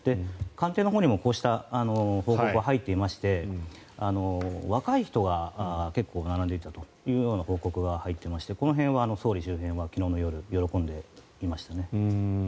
官邸のほうにもこうした報告は入っていまして若い人が結構並んでいたという報告が入っていましてこの辺は総理周辺は昨日の夜、喜んでいましたね。